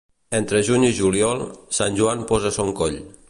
Entre juny i juliol, Sant Joan posa son coll.